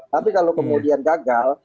tapi kalau kemudian gagal